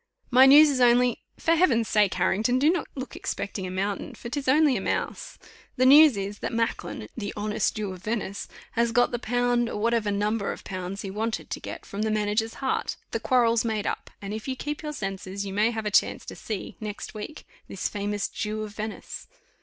"My news is only for Heaven's sake, Harrington, do not look expecting a mountain, for 'tis only a mouse. The news is, that Macklin, the honest Jew of Venice, has got the pound, or whatever number of pounds he wanted to get from the manager's heart; the quarrel's made up, and if you keep your senses, you may have a chance to see, next week, this famous Jew of Venice."